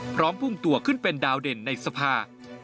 พุ่งตัวขึ้นเป็นดาวเด่นในสภา